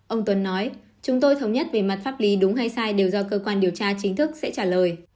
ông tuấn nói chúng tôi thống nhất về mặt pháp lý đúng hay sai đều do cơ quan điều tra chính thức sẽ trả lời